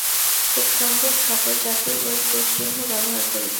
খুব সম্ভব, সকল জাতিই এই ক্রুশ-চিহ্ন ব্যবহার করিত।